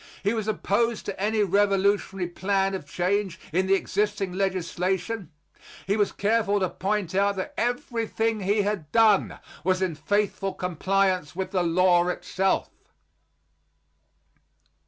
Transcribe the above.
He was opposed to any revolutionary plan of change in the existing legislation; he was careful to point out that everything he had done was in faithful compliance with the law itself.